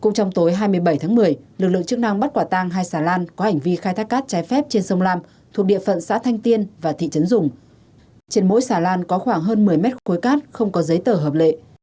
cũng trong tối hai mươi bảy tháng một mươi lực lượng chức năng bắt quả tang hai xà lan có hành vi khai thác cát trái phép trên sông lam thuộc địa phận xã thanh tiên và thị trấn dùng trên mỗi xà lan có khoảng hơn một mươi mét khối cát không có giấy tờ hợp lệ